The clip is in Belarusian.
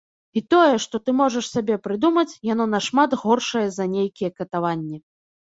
І тое, што ты можаш сабе прыдумаць, яно нашмат горшае за нейкія катаванні.